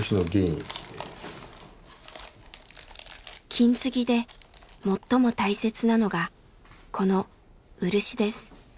金継ぎで最も大切なのがこの漆です。